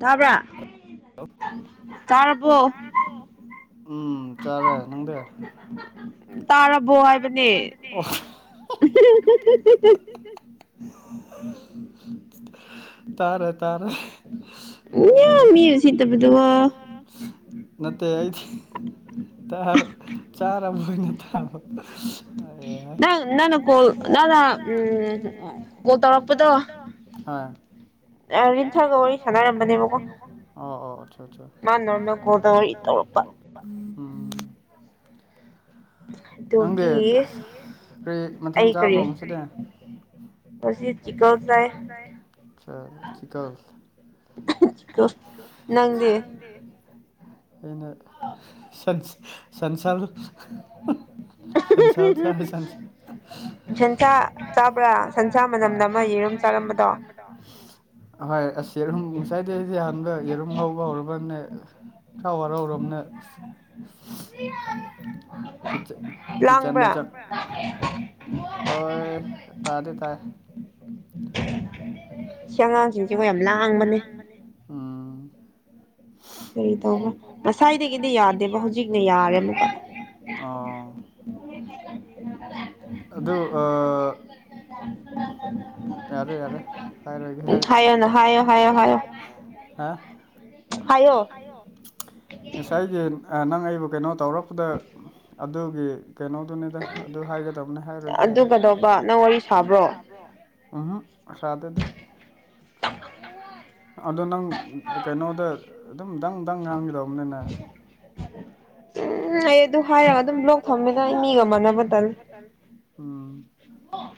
ꯇꯥꯕ꯭ꯔꯥ ꯇꯥꯔꯕꯣ ꯎꯝ ꯆꯥꯔꯦ ꯅꯪꯗꯦ ꯇꯥꯔꯕꯣ ꯍꯥꯏꯕꯅꯦ ꯑꯣꯐ [unintelligible] ꯇꯥꯔꯦ ꯇꯥꯔꯦ [unintelligible] ꯎꯝ ꯃꯤ ꯎꯁꯤꯠꯇꯕꯨꯗꯨꯕꯣ ꯅꯠꯇꯦ ꯑꯩꯗꯤ ꯆꯥꯔꯕ ꯑꯣꯏꯅ ꯇꯥꯕ [unintelligible] [inaudible] ꯑꯥ [unintelligible] ꯀꯣꯗꯔꯤ ꯇꯧꯔꯄ ꯎꯝ ꯅꯪꯗꯤ ꯀ꯭ꯔꯤ ꯃꯊꯦꯜ ꯆꯥꯕ꯭ꯔꯣ ꯉꯥꯁꯤꯗ [inaudible] ꯅꯪꯗꯤ ꯁꯟ ꯁꯟꯁꯥ [inaudible] ꯁꯦꯟꯁꯥ ꯆꯥꯕ꯭ꯔꯥ ꯁꯟꯁꯥ ꯃꯅꯝ ꯅꯝꯃ ꯌꯦꯔꯨꯝ ꯆꯥꯔꯝꯕꯗꯣ ꯍꯣꯏ ꯑꯁ ꯌꯦꯔꯨꯝ ꯉꯅꯨꯡꯁꯥꯏꯗ ꯑꯩꯁꯦ ꯑꯍꯥꯟꯕ ꯌꯦꯔꯨꯝ ꯉꯧꯕ ꯍꯧꯔꯕꯅꯦ ꯍꯥꯎ ꯍꯔꯥꯎꯔꯣꯅ ꯑꯦ ꯆ ꯀꯤꯆꯟꯗ ꯆ ꯑꯣꯏ ꯇꯥꯗꯤ ꯇꯥꯏ ꯁꯤ ꯑꯉꯥꯡꯁꯤꯡꯁꯦ ꯃꯣꯏ ꯌꯥꯝ ꯂꯥꯡꯕꯅꯦ ꯑꯥ ꯀꯔꯤ ꯇꯧꯕ꯭ꯔꯥ ꯉꯁꯥꯏꯗꯒꯤꯗꯤ ꯌꯥꯗꯦꯕ ꯍꯧꯖꯤꯛꯅ ꯌꯥꯔꯦꯅꯨꯀꯣ ꯑꯣ ꯑꯗꯨꯗ ꯑ ꯌꯥꯔꯦ ꯌꯥꯔꯦ ꯐꯔ ꯍꯥꯏꯌꯣ ꯉꯁꯥꯏꯒꯤ ꯅꯪ ꯑꯩꯕꯨ ꯀꯩꯅꯣ ꯇꯧꯔꯛꯄꯗ ꯑꯗꯨꯒꯤ ꯀꯩꯅꯣ ꯑꯗꯨꯅꯤꯗ ꯑꯗꯨ ꯍꯥꯏꯒꯗꯅꯤ ꯍꯥꯏ ꯎꯝꯁꯥꯗꯗ ꯑꯗꯣ ꯅꯪ ꯀꯩꯅꯣꯗ ꯑꯗꯨꯝ ꯗꯪ ꯗꯪ ꯉꯥꯡꯒꯗꯧꯕꯅꯤꯅꯦ ꯎꯝ ꯑꯩ ꯑꯗꯨ ꯍꯥꯏꯔꯒ ꯑꯗꯨꯝ ꯂꯣꯛ ꯊꯝꯃꯤꯅ ꯑꯩ ꯃꯤꯒ ꯃꯥꯟꯅꯕ ꯗꯜ ꯎꯝ ꯑꯣ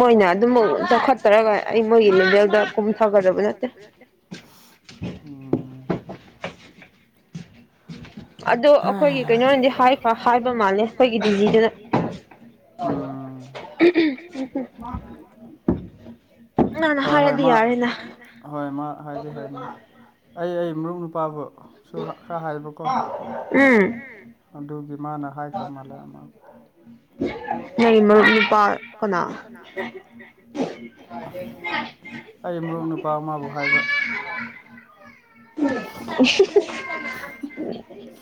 ꯃꯣꯏꯅ ꯑꯗꯨꯝꯃꯛ ꯆꯥꯎꯈꯠꯇꯔꯒ ꯑꯩ ꯃꯣꯏꯒꯤ ꯂꯦꯚꯦꯜꯗ ꯀꯨꯝꯊꯒꯗꯕ ꯅꯠꯇꯦ ꯎꯝ ꯑꯗꯣ ꯑꯩꯈꯣꯏꯒꯤ ꯀꯩꯅꯣꯗꯤ ꯍꯥꯏꯕ ꯃꯥꯜꯂꯦ ꯑꯩꯈꯣꯏꯒꯤ ꯗꯤꯖꯤꯗꯨꯅ ꯎꯝ ꯍꯣꯏ ꯍꯣꯏ ꯃꯥ ꯍꯣꯏ ꯃꯥ ꯍꯥꯏꯗꯤ ꯍꯥꯏꯕꯅꯦ ꯑꯩ ꯑꯩ ꯃꯔꯨꯞ ꯅꯨꯄꯥꯕꯨ ꯎꯝ ꯑꯗꯨꯒꯤ ꯃꯥꯅ ꯍꯥꯏꯈ꯭ꯔ ꯃꯥꯜꯂꯦ ꯑꯃ ꯅꯪꯒꯤ ꯃꯔꯨꯞ ꯅꯨꯄꯥ ꯀꯅꯥ ꯑꯩ ꯃꯣꯔꯣꯛ ꯅꯨꯄꯥ ꯑꯃꯕꯨ ꯍꯥꯏꯕ [inaudible]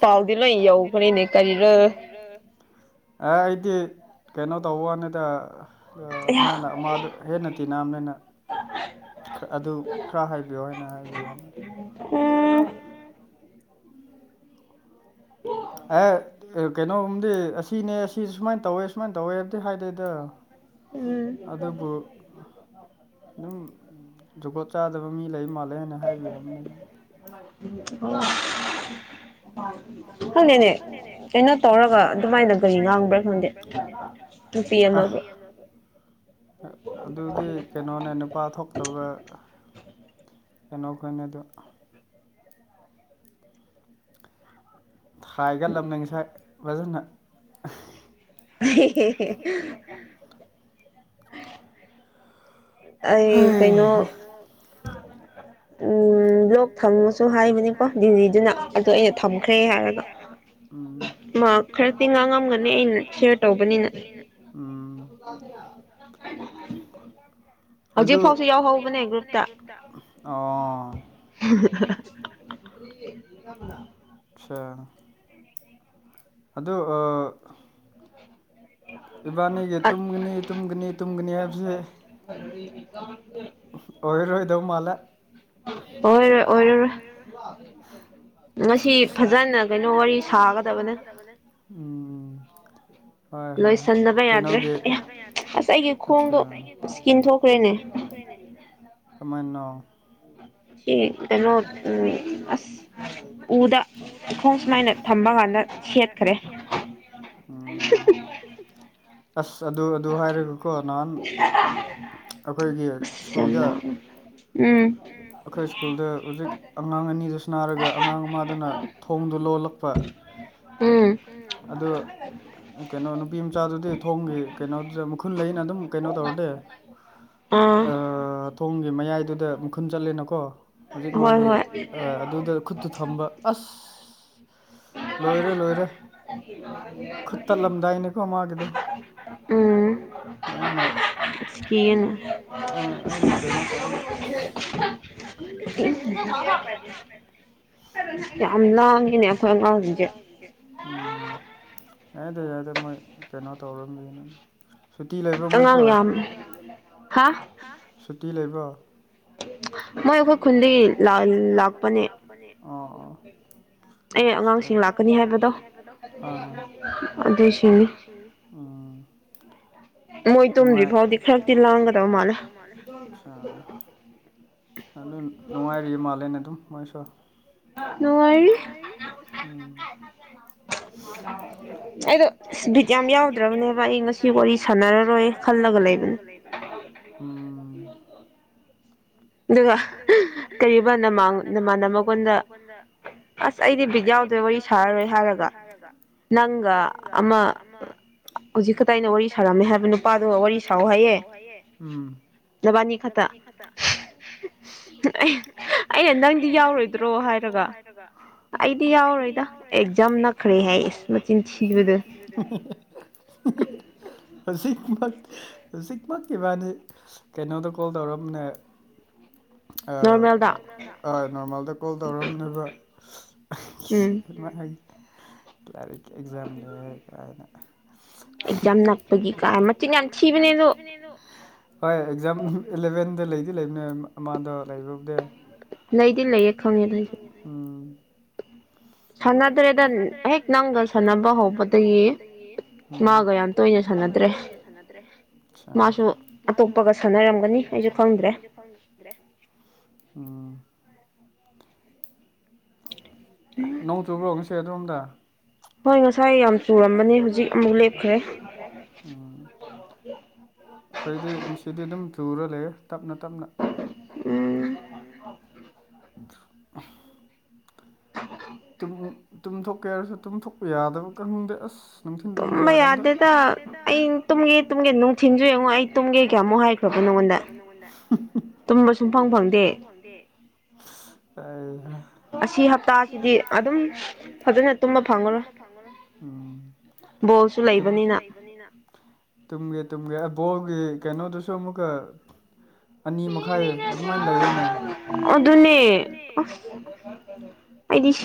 ꯄꯥꯎꯗꯤ ꯂꯣꯏ ꯌꯧꯒꯅꯤꯅꯦ ꯀꯔꯤꯔꯣ ꯑꯗꯨ ꯑꯦ ꯑꯩꯗꯤ ꯀꯩꯅꯣ ꯇꯧꯕꯋꯅꯤꯗ ꯃꯥꯅ ꯃꯥꯗ ꯍꯦꯟꯅ ꯇꯤꯟꯅꯕꯅꯦꯅ ꯑ ꯑꯗꯨ ꯈꯔ ꯍꯥꯏꯕꯤꯌꯣ ꯍꯥꯏꯅ ꯍꯥꯏꯕꯤꯌꯣꯅꯤ ꯎꯝ ꯑꯦ ꯀꯩꯅꯣꯒꯨꯝꯗꯤ ꯑꯁꯤꯅꯦ ꯑꯁꯤ ꯁꯨꯃꯥꯏꯅ ꯇꯧꯋꯦ ꯁꯨꯃꯥꯏꯅ ꯇꯧꯋꯦ ꯍꯥꯏꯕꯗꯤ ꯍꯥꯏꯗꯣꯏꯏꯗ ꯑꯗꯕꯨ ꯑꯗꯨꯝ ꯖꯨꯒꯣꯠ ꯆꯥꯗꯕ ꯃꯤ ꯂꯩ ꯃꯥꯜꯂꯦ ꯍꯥꯏꯅ ꯍꯥꯏꯕꯤꯔꯝꯅꯤ ꯑꯗꯨ [unintelligible] ꯈꯪꯗꯦꯅꯦ ꯀꯩꯅꯣ ꯇꯧꯔꯒ ꯑꯗꯨꯃꯥꯏꯅ ꯒꯥꯔꯤ ꯉꯥꯡꯕ꯭ꯔꯥ ꯈꯪꯗꯦ ꯅꯨꯄꯤ ꯑꯃꯕꯨ ꯑꯗꯨꯗꯤ ꯀꯩꯅꯣꯅꯦ ꯅꯨꯄꯥ ꯊꯣꯛꯇꯕ ꯀꯩꯅꯣꯈꯣꯏꯅꯦ ꯑꯗ ꯊꯥꯏꯒꯠꯂꯝꯅꯤ ꯉꯁꯥꯏ ꯐꯖꯅ ꯍ ꯑꯩ ꯀꯩꯅꯣ ꯎꯝ ꯕ꯭ꯂꯣꯛ ꯊꯝꯃꯁꯨ ꯍꯥꯏꯕꯅꯤꯀꯣ ꯗꯗꯤꯂꯤꯗꯨꯅ ꯑꯗꯨꯗꯣ ꯑꯩꯅ ꯊꯝꯈ꯭ꯔꯦ ꯍꯥꯏꯔꯒ ꯃꯥ ꯈꯔ ꯇꯤꯡ ꯉꯥꯡꯉꯝꯒꯅꯤ ꯑꯩꯅ ꯑꯩꯅ ꯁꯌꯔ ꯇꯧꯕꯅꯤꯅ ꯑꯗꯨ ꯍꯧꯖꯤꯛ ꯐꯥꯎꯁꯨ ꯌꯥꯎꯍꯧꯕꯅꯦ ꯒꯔꯨꯞꯇ ꯑꯣ [inaudible] [unintelligible] ꯑꯗꯣ ꯑ ꯏꯕꯥꯅꯤꯒꯤ ꯇꯨꯝꯒꯅꯤ ꯇꯨꯝꯒꯅꯤ ꯇꯨꯝꯒꯅꯤ ꯍꯥꯏꯕꯁꯦ [unintelligible] ꯑꯣꯏꯔꯣꯏꯗꯧ ꯃꯥꯜꯂꯦ ꯑꯣꯏꯔꯣꯏ ꯑꯣꯏꯔꯔꯣꯏ ꯉꯁꯤ ꯐꯖꯅ ꯀꯩꯅꯣ ꯋꯥꯔꯤ ꯁꯥꯒꯗꯕꯅꯦ ꯎꯝ ꯂꯣꯏꯁꯟꯗꯕ ꯌꯥꯗ꯭ꯔꯦ ꯑꯁ ꯑꯩꯒꯤ ꯈꯣꯡꯗꯣ ꯏꯁꯀꯤꯟ ꯊꯣꯛꯈ꯭ꯔꯦꯅꯦ ꯀꯃꯥꯏꯅ ꯁꯤꯒꯤ ꯀꯩꯅꯣ ꯎꯝ ꯑꯁ ꯎꯗ ꯎꯈꯣꯡ ꯁꯨꯃꯥꯏꯅ ꯊꯝꯕ ꯀꯥꯟꯗ ꯈꯦꯠꯈꯔꯦ [inaudible] ꯑꯁ ꯑꯗꯨ ꯑꯗꯨ ꯍꯥꯏꯔꯒꯀꯣ ꯅꯍꯥꯟ ꯑꯩꯈꯣꯏꯒꯤ ꯁ꯭ꯀꯨꯜꯗ ꯎꯝ ꯎꯝ ꯑꯩꯈꯣꯏ ꯁ꯭ꯀꯨꯜꯗ ꯍꯧꯖꯤꯛ ꯑꯉꯥꯡ ꯑꯅꯤꯗꯨ ꯁꯅꯥꯔꯒ ꯑꯉꯥꯡ ꯑꯃꯗꯨꯅ ꯊꯣꯡꯗꯣ ꯂꯣꯜꯂꯛꯄ ꯎꯝ ꯀꯩꯅꯣ ꯅꯨꯄꯤ ꯃꯆꯥꯗꯨꯗꯤ ꯊꯣꯡꯒꯤ ꯀꯩꯅꯣꯗꯨꯗ ꯃꯈꯨꯟ ꯂꯩꯅ ꯑꯗꯨꯝ ꯀꯩꯅꯣ ꯇꯧꯔꯗꯤ ꯑꯥ ꯊꯣꯡꯒꯤ ꯃꯌꯥꯏꯗꯨꯗ ꯃꯈꯨꯟ ꯆꯠꯂꯦꯅꯀꯣ ꯍꯧꯖꯤꯛ ꯃꯥꯒꯤ ꯑꯥ ꯑꯗꯨꯗ ꯈꯨꯠꯇꯨ ꯊꯝꯕ ꯑꯁ ꯂꯣꯏꯔꯦ ꯂꯣꯏꯔꯦ ꯈꯨꯠꯇꯂꯝꯗꯥꯏꯅꯤꯀꯣ ꯃꯥꯒꯤꯗꯣ ꯎꯝ ꯑꯩꯅ ꯑ ꯑꯩꯅ ꯀꯩꯅꯣ ꯇꯧꯔꯒ [inaudible] ꯌꯥꯝ ꯂꯥꯡꯏꯅꯦ [unintelligible] ꯑꯩꯈꯣꯏ ꯑꯉꯥꯡꯁꯤꯡꯁꯦ ꯎꯝ ꯌꯥꯏꯗ ꯌꯥꯏꯗ ꯃꯣꯏ ꯀꯩꯅꯣ ꯇꯧꯔꯝꯃꯤꯅꯤ ꯁꯨꯇꯤ ꯂꯩꯕ꯭ꯔꯣ ꯑꯉꯥꯡ ꯌꯥꯝꯃꯦ ꯍꯥ ꯁꯨꯇꯤ ꯂꯩꯕ꯭ꯔꯣ ꯃꯣꯏ ꯑꯩꯈꯣꯏ ꯈꯨꯟꯗꯒꯤ ꯂꯥꯜ ꯂꯥꯛꯄꯅꯦ ꯑꯣ ꯑꯣ ꯁꯤ ꯑꯉꯥꯡꯁꯤꯡ ꯂꯥꯛꯀꯅꯤ ꯍꯥꯏꯕꯗꯣ ꯑꯗꯨꯁꯤꯡꯅꯤ ꯃꯣꯏ ꯇꯨꯝꯗ꯭ꯔꯤ ꯐꯥꯎꯗꯤ ꯈꯔꯛꯇꯤ ꯂꯥꯡꯒꯗꯧ ꯃꯥꯜꯂꯦ ꯑꯆꯥꯥ ꯑꯗꯨ ꯅꯨꯡꯉꯥꯏꯔꯤ ꯃꯥꯜꯂꯦꯅꯦ ꯑꯗꯨꯝ ꯃꯣꯏꯁꯨ ꯅꯨꯉꯥꯏꯔꯤ ꯑꯥ [unintelligible] ꯑꯩꯗꯣ ꯕꯤꯠ ꯌꯥꯝ ꯌꯥꯎꯗ꯭ꯔꯕꯅꯦꯕ ꯑꯩ ꯉꯁꯤ ꯋꯥꯔꯤ ꯁꯥꯟꯅꯔꯔꯣꯏ ꯈꯜꯂꯒ ꯂꯩꯕꯅꯦ [inaudible] ꯎꯝ ꯑꯗꯨꯒ ꯀꯔꯤꯕ ꯅꯃꯥꯡ ꯅꯃꯥꯟꯅꯕꯒꯣꯟꯗ ꯑꯁ ꯑꯩꯗꯤ ꯕꯤꯠ ꯌꯥꯎꯗꯔꯦ ꯋꯥꯔꯤ ꯁꯥꯔꯔꯣꯏ ꯍꯥꯏꯔꯒ ꯅꯪꯒ ꯑꯃ ꯍꯧꯖꯤꯛ ꯈꯛꯇ ꯑꯩꯅ ꯋꯥꯔꯤ ꯁꯥꯔꯝꯃꯦ ꯍꯥꯏꯕ ꯅꯨꯄꯥꯗꯨ ꯋꯥꯔꯤ ꯁꯥꯑꯣ ꯍꯥꯏꯌꯦ ꯅꯕꯥꯅꯤ ꯈꯛꯇꯥ [unintelligible] ꯑꯦ ꯑꯩꯅ ꯅꯪꯗꯤ ꯌꯥꯎꯔꯣꯏꯗ꯭ꯔꯣ ꯍꯥꯏꯔꯒ ꯑꯩꯗꯤ ꯌꯥꯎꯔꯣꯏꯗ ꯑꯦꯛꯖꯥꯝ ꯅꯛ ꯈ꯭ꯔꯩ ꯍꯥꯏ ꯏ ꯃꯆꯤꯟ ꯊꯤꯕꯗ [unintelligible] ꯍꯧꯖꯤꯛꯃꯛ ꯍꯧꯖꯤꯛꯃꯛꯀꯤꯕꯥꯅꯤ ꯀꯩꯅꯣꯗ ꯀꯣꯜ ꯇꯧꯔꯝꯅꯦ ꯅꯣꯔꯃꯥꯜꯗ ꯀꯣꯜ ꯇꯧꯔꯝꯅꯦꯕ ꯎꯝ ꯃꯥꯒꯤ ꯂꯥꯏꯔꯤꯛꯀꯤ ꯑꯦꯛꯖꯥꯝ ꯂꯩꯔ ꯀꯥꯏꯅ ꯑꯦꯛꯖꯥꯝ ꯂꯥꯛꯄꯒꯤ ꯀ ꯃ ꯌꯥꯝ ꯊꯤꯕꯅꯦꯗꯣ ꯍꯣꯏ ꯑꯦꯛꯖꯥꯝ ꯑꯦꯂꯚꯦꯟꯗ ꯂꯩꯗꯤ ꯂꯩꯕꯅꯦ ꯃꯥꯗ ꯂꯩꯕꯕꯨꯗꯤ ꯂꯩꯗꯤ ꯂꯩ ꯑꯩ ꯈꯪ ꯁꯅꯠ ꯁꯥꯟꯅꯗ꯭ꯔꯦꯗ ꯍꯦꯛ ꯅꯪꯒ ꯁꯥꯟꯅꯕ ꯍꯧꯕꯗꯒꯤ ꯃꯥꯒ ꯌꯥꯝ ꯇꯣꯏꯅ ꯁꯥꯟꯅꯗꯦ ꯃꯥꯁꯨ ꯑꯇꯣꯞꯄꯒ ꯁꯥꯟꯅꯔꯝꯒꯅꯤ ꯑꯩꯁꯨ ꯈꯪ ꯎꯝ ꯅꯣꯡ ꯇꯨꯕꯔꯣ ꯉꯁꯦ ꯑꯗꯣꯝꯗ ꯍꯣꯏ ꯉꯁꯥꯏ ꯌꯥꯝ ꯆꯨꯔꯝꯕꯅꯦ ꯍꯧꯖꯤꯛ ꯑꯃꯨꯛ ꯂꯦꯞꯈ꯭ꯔꯦ ꯎꯝ ꯑꯩꯈꯣꯏꯗꯤ ꯅꯨꯡꯁꯤꯗꯤ ꯑꯗꯨꯝ ꯆꯨꯔ ꯂꯩꯌꯦ ꯇꯞꯅ ꯇꯞꯅ ꯎ [inaudible] ꯇꯨꯝꯊꯣꯛꯀꯦ ꯍꯥꯏꯔꯁꯨ ꯇꯨꯝꯊꯣꯛꯄ ꯌꯥꯗꯕ ꯈꯪꯍꯪꯗꯦ ꯑꯁ ꯅꯨꯡꯊ ꯌꯥꯨꯝꯕ ꯌꯥꯗꯦꯗ ꯑꯩ ꯇꯨꯡꯒꯤ ꯇꯨꯡꯒꯤ ꯅꯨꯡꯊꯤꯟꯁꯨ ꯌꯦꯡꯉꯣ ꯑꯩꯨꯝꯦ [unintelligible] ꯇꯨꯝꯕ ꯁꯨꯡꯐꯪ ꯐꯪꯗꯦ ꯆꯥꯁꯤꯗꯤ ꯑꯗꯨꯝ ꯐꯖꯅ ꯇꯨꯝꯃ ꯐꯪꯉꯔꯣꯏ ꯕꯣꯜꯁꯨ ꯂꯩꯕꯅꯤꯅ ꯇꯝꯒꯦ ꯇꯝꯒꯦꯕꯣꯒꯤꯦ ꯀꯩꯅꯣ ꯇꯁꯨ ꯑꯃꯨꯛ ꯑꯅꯤ ꯃꯈꯥꯏ ꯑꯗꯨꯃꯥꯏꯅ ꯂꯩꯌꯦꯅꯦ ꯑꯗꯨꯅꯦ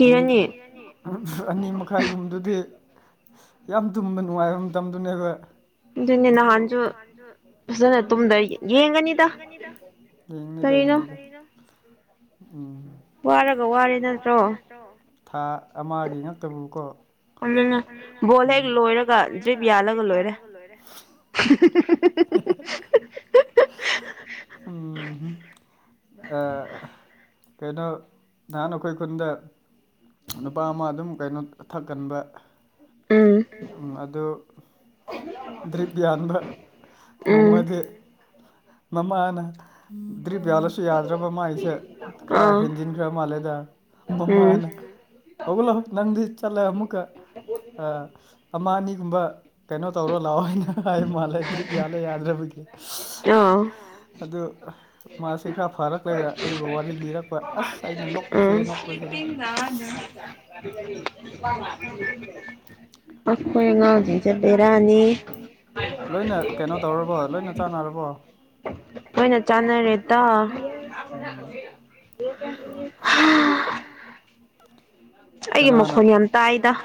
[unintelligible] ꯑꯅꯤ ꯃꯈꯥꯏꯒꯨꯝꯕꯗꯨꯗꯤ ꯌꯥꯝ ꯇꯨꯝꯕ ꯅꯨꯡꯉꯥꯏꯕ ꯃꯇꯝꯗꯨꯅꯦꯕ ꯑꯗꯨꯅꯦ ꯅꯍꯥꯟꯁꯨ ꯐꯖꯅ ꯇꯨꯝꯨꯡꯗ ꯌꯦꯡꯒꯅꯤꯗ [unintelligible] ꯎꯝ [unintelligible] ꯊꯥ ꯑꯃꯒꯤ ꯉꯠꯇꯔꯨꯀꯣ ꯑꯗꯨꯅ ꯕꯣꯜ ꯍꯦꯛ ꯂꯣꯏꯔꯒ ꯖꯤꯕ ꯌꯥꯜꯂꯒ ꯂꯣꯏꯔꯦ [unintelligible] ꯎꯝ ꯀꯩꯅꯣ ꯅꯍꯥꯟ ꯑꯩꯈꯣꯏ ꯈꯨꯟꯗ ꯅꯨꯄꯥ ꯑꯃ ꯑꯗꯨꯝ ꯀꯩꯅꯣ ꯊꯛꯀꯟꯕ ꯑꯗꯨ ꯗ꯭ꯔꯤꯞ ꯌꯥꯟꯕ ꯅꯣꯡꯃꯗꯤ ꯃꯃꯥꯅ ꯗ꯭ꯔꯤꯞ ꯌꯥꯜꯂꯁꯨ ꯌꯥꯗ꯭ꯔꯕ ꯃꯥꯥꯏꯁꯦ ꯈꯔ ꯍꯦꯟꯖꯤꯟꯈ꯭ꯔ ꯃꯥꯜꯂꯦꯗ ꯃꯥꯅꯛ ꯍꯧꯒꯂꯣ ꯅꯪꯗꯤ ꯆꯠꯂꯦ ꯑꯃꯨꯛꯀ ꯑꯃꯅꯤꯒꯨꯝꯕ ꯀꯩꯅꯣ ꯇꯧꯔꯣ ꯂꯥꯛꯑꯣ ꯑꯩꯅ ꯍꯥꯏ ꯃꯥꯜꯂꯦ ꯗ꯭ꯔꯤꯞ ꯌꯥꯜꯂꯦ ꯌꯥꯗ꯭ꯔꯕꯒꯤ ꯑꯗꯨ ꯃꯥꯁꯤ ꯈꯔ ꯐꯔꯛꯂꯒ ꯑꯩꯕꯨ ꯋꯥꯔꯤ ꯂꯤꯔꯛꯄ ꯑꯁ ꯑꯩꯅ ꯅꯣꯛꯄꯁꯦ ꯅꯣꯛꯄꯁꯦꯅꯦ [unintelligible] ꯑꯩꯈꯣꯏ ꯉꯥꯎꯗꯁ ꯕꯦꯔꯥ ꯑꯅꯤ ꯂꯣꯏꯅ ꯀꯩꯅꯣ ꯇꯧꯔꯕꯣ ꯂꯣꯏꯅ ꯆꯥꯟꯅꯔꯕꯣ [inaudible] ꯂꯣꯏꯅ ꯆꯥꯅꯔꯦꯗ ꯑꯩꯒꯤ ꯃꯈꯣꯟ ꯌꯥꯝ ꯇꯥꯏꯗ [inaudible]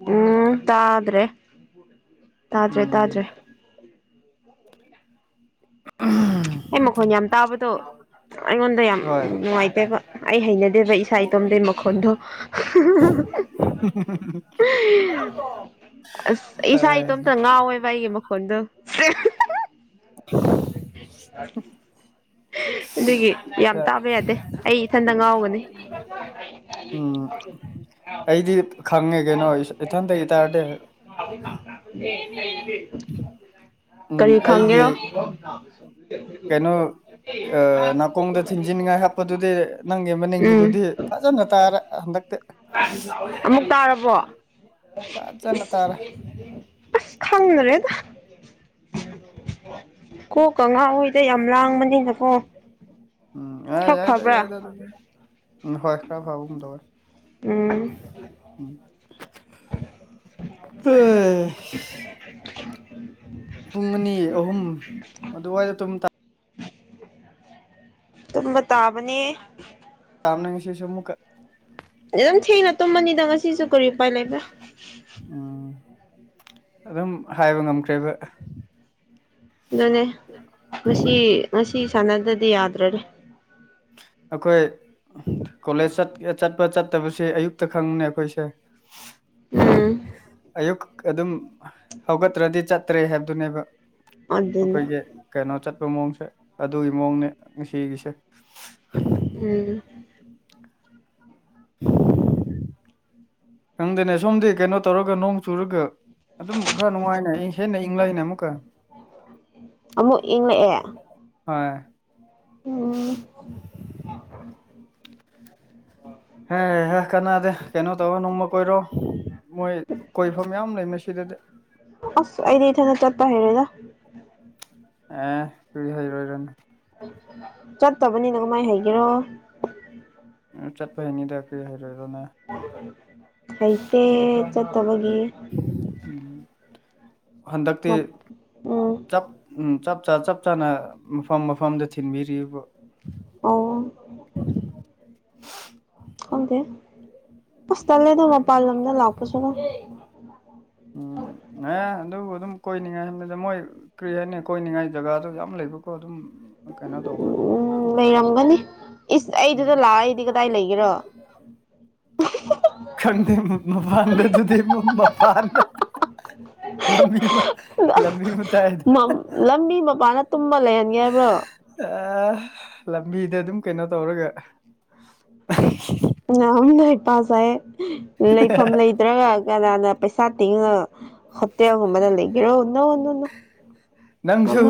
ꯎꯝ ꯇꯥꯗ꯭ꯔꯦ ꯇꯥꯗ꯭ꯔꯦ ꯇꯥꯗ꯭ꯔꯦ ꯑꯩ ꯃꯈꯣꯟ ꯌꯥꯝ ꯇꯥꯕꯗꯣ ꯑꯩꯉꯣꯟꯗ ꯌꯥꯝ ꯅꯨꯡꯉꯥꯏꯇꯦꯕ ꯑꯩ ꯍꯩꯅꯗꯦꯕ ꯏꯁꯥ ꯇꯝꯗꯤ ꯃꯈꯣꯟꯗꯣ ꯑꯁ ꯏꯁꯥ ꯏꯇꯣꯝꯇ ꯉꯥꯎꯋꯦꯕ ꯑꯩꯒꯤ ꯃꯈꯣꯟꯗꯣ [unintelligible] [inaudible] ꯑꯗꯨꯒꯤ ꯌꯥꯝ ꯇꯥꯕ ꯌꯥꯗꯦ ꯑꯩ ꯏꯊꯟꯗ ꯉꯥꯎꯕꯅꯤ ꯎꯝ ꯑꯩꯗꯤ ꯈꯪꯉꯦ ꯀꯩꯅꯣ ꯏꯊꯟꯇ ꯏꯇꯥꯔꯗꯤ [unintelligible] [inaudible] ꯀꯔꯤ ꯈꯪꯒꯦꯔꯣ ꯑ ꯅꯥꯀꯣꯡꯗ ꯊꯤꯟꯖꯤꯅꯤꯡꯉꯥꯏ ꯍꯥꯞꯄꯗꯨꯗꯤ ꯅꯪꯒꯤ ꯑꯃ ꯅꯤꯡꯉꯗꯨꯗꯤ ꯐꯥꯖꯅ ꯇꯥꯔꯦ ꯍꯟꯗꯛꯇꯤ ꯑꯃꯨꯛ ꯇꯥꯔꯕꯣ ꯑꯁ ꯈꯪꯗ꯭ꯔꯦꯗ ꯀꯣꯛꯀ ꯉꯥꯎꯋꯤꯗ ꯌꯥꯝ ꯂꯥꯡꯕꯅꯤꯅꯀꯣ ꯎꯝ ꯑ ꯌꯥꯏꯗ ꯌꯥꯏꯗ ꯑꯗꯨ ꯎꯝ ꯍꯣꯏ ꯈꯔ ꯍꯥꯏꯕ ꯇꯕꯥꯥꯏ ꯍꯦ ꯄꯨꯡ ꯑꯅꯤ ꯑꯍꯨꯝ ꯑꯗꯨꯋꯥꯏꯗ ꯑꯗꯨꯝ ꯇꯨꯝꯕ ꯇꯥꯕꯅꯦ ꯇꯥꯕꯅꯦ ꯉꯁꯤꯁꯨ ꯑꯃꯨꯛꯀ ꯑꯗꯨꯝ ꯊꯦꯡꯅ ꯇꯨꯝꯃꯅꯤꯗ ꯉꯁꯤꯁꯨ ꯀꯔꯤ ꯎꯄꯥꯏ ꯂꯩꯕ꯭ꯔꯥ ꯎꯝ ꯑꯗꯨꯝ ꯍꯥꯏꯕ ꯉꯝꯈ꯭ꯔꯦꯕ ꯑꯗꯨꯅꯦ ꯉꯁꯤ ꯉꯁꯤ ꯁꯥꯟꯅꯗꯗꯤ ꯌꯥꯗ꯭ꯔꯅꯦ ꯑꯩꯈꯣꯏ ꯀꯣꯂꯦꯖ ꯆꯠꯄ ꯆꯠꯇꯕꯁꯦ ꯑꯌꯨꯛꯇ ꯈꯪꯅꯦ ꯑꯩꯈꯣꯏꯁꯦ ꯑꯌꯨꯛ ꯑꯗꯨꯝ ꯍꯧꯒꯠꯇ꯭ꯔꯗꯤ ꯆꯠꯇ꯭ꯔꯦ ꯍꯥꯏꯕꯗꯨꯅꯦꯕ ꯑꯩꯈꯣꯏꯒꯤ ꯀꯩꯅꯣ ꯆꯠꯄ ꯃꯑꯣꯡꯁꯦ ꯑꯗꯨꯒꯤ ꯃꯑꯣꯡꯅꯦ ꯉꯁꯤꯒꯤꯁꯦ ꯎꯝ ꯈꯪꯗꯦꯅꯦ ꯁꯣꯝꯗꯤ ꯀꯩꯅꯣ ꯇꯧꯔꯒ ꯅꯣꯡ ꯆꯨꯔꯒ ꯑꯗꯨꯝ ꯈꯔ ꯅꯨꯡꯉꯥꯏꯅꯦ ꯑꯩ ꯍꯦꯟꯅ ꯏꯪꯪꯂꯛꯏꯅꯦ ꯑꯃꯨꯛꯀ ꯑꯃꯨꯛ ꯏꯪꯂꯛꯑꯦ ꯍꯣꯏ ꯎꯝ ꯍꯦ ꯀꯥꯟꯅꯥꯗꯦ ꯀꯩꯅꯣ ꯇꯧꯕ ꯅꯣꯡꯃ ꯀꯣꯏꯔꯣ ꯃꯣꯏ ꯀꯣꯏꯐꯝ ꯌꯥꯝꯌꯥꯝ ꯂꯩ ꯁꯤꯗꯗꯤ ꯑꯁ ꯑꯩꯗ ꯏꯊꯅ ꯆꯠꯄ ꯍꯩꯔꯣꯌꯗ ꯑꯦ ꯆꯔꯤ ꯍꯥꯏꯔꯣꯏꯔ ꯆꯠꯇꯕꯅꯤꯅ ꯀꯃꯥꯏ ꯍꯩꯒꯦꯔꯣ ꯎ ꯆꯠ ꯅꯤ ꯗꯔꯤ ꯍꯥꯏꯔꯣ ꯍꯩꯇꯦ ꯆꯠꯇꯕꯒꯤ ꯎꯝ ꯍꯟꯗꯛꯇꯤ ꯞ ꯆꯞ ꯆ ꯆꯞ ꯆꯥꯅ ꯃꯐꯝ ꯃꯐꯝꯗ ꯊꯤꯟꯕꯤꯔꯤꯕ ꯑꯣ [unintelligible] ꯍꯗꯦ ꯄꯁꯇꯂꯦꯗ ꯃꯄꯥꯟ ꯂꯝꯗ ꯂꯥꯛꯄꯁꯨꯒ ꯎꯝ ꯑꯦ ꯑꯗꯨꯕꯨ ꯑꯗꯨꯝ ꯀꯣꯏꯅꯤꯡꯉꯥꯏ ꯍꯥꯏꯕꯗ ꯃꯣꯏ ꯀꯅꯤ ꯀꯣꯏꯅꯤꯉꯖꯒꯥꯗ ꯑꯗꯨ ꯂꯩꯕꯀꯣ ꯑꯗꯨꯝ ꯀꯩꯅꯣ ꯇꯧꯕ ꯎꯝ ꯀꯗꯥꯥꯏ ꯂꯩꯒꯦꯔꯣ ꯈꯪꯗꯦ ꯃꯄꯥꯟꯗ ꯑꯗꯨꯗꯤ ꯃꯄꯥꯟꯗ ꯂꯝꯕꯤ ꯃꯄꯥꯥꯟ ꯇꯨꯝꯕ ꯂꯩꯍꯟꯒꯦ ꯍꯥꯏꯕ꯭ꯔꯣ ꯑ ꯂꯝꯕꯤꯗ ꯑꯗꯨꯝ ꯀꯩꯅꯣ ꯇꯧꯔꯒ ꯎ ꯑꯝꯗ ꯄꯁꯥꯏ ꯂꯩꯐꯝ ꯂꯩ ꯐꯠꯇ꯭ꯔꯒ ꯀꯅꯥꯅ ꯄꯩꯁꯥ ꯇꯤꯡꯉ ꯇꯦꯜꯒꯨꯝꯕꯗ ꯂꯩꯒꯦꯔꯣ ꯎꯅꯣꯅꯣꯅꯣ ꯃꯃꯣ